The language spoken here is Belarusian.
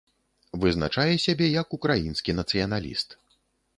Вызначае сябе як украінскі нацыяналіст.